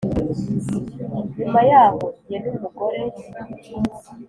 Nyuma yaho jye n umugore